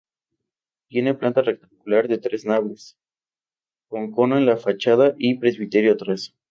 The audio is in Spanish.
Tiene planta rectangular de tres naves, con cono en la fachada y presbiterio atrás.